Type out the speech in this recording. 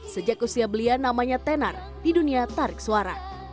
sejak usia belia namanya tenar di dunia tarik suara